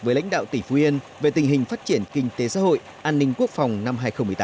với lãnh đạo tỉnh phú yên về tình hình phát triển kinh tế xã hội an ninh quốc phòng năm hai nghìn một mươi tám